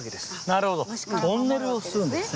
なるほどトンネルをするんですね。